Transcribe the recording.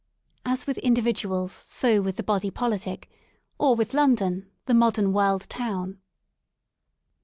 As with individuals so with the Body Politic, or with London, the modern World Town.